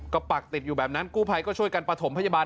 ก็ปักติดอยู่แบบนั้นกู้ภัยก็ช่วยกันประถมพยาบาล